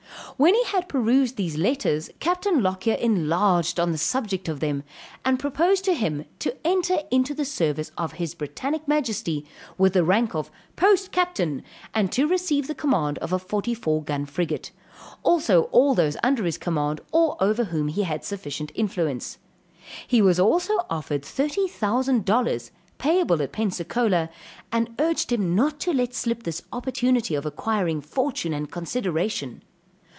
When he had perused these letters, Capt. Lockyer enlarged on the subject of them and proposed to him to enter into the service of his Brittanic Majesty with the rank of post captain and to receive the command of a 44 gun frigate. Also all those under his command, or over whom he had sufficient influence. He was also offered thirty thousand dollars, payable at Pensacola, and urged him not to let slip this opportunity of acquiring fortune and consideration.